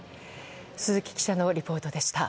鈴木記者のリポートでした。